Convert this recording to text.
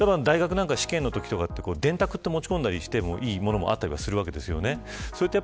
例えば大学の試験のときとか電卓を持ち込んだりしてもいいものもあったりするわけですよね。